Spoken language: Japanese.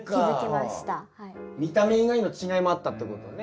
見た目以外の違いもあったってことね。